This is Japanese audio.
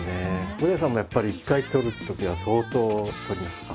伍代さんもやっぱり一回撮るときは相当撮りますか？